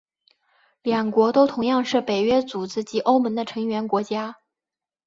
两国都同样是北约组织及欧盟的成员国家。